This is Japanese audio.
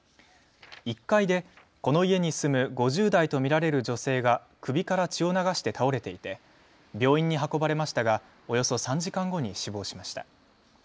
１階でこの家に住む５０代と見られる女性が首から血を流して倒れていて病院に運ばれましたがおよそ３時間後に死亡しました。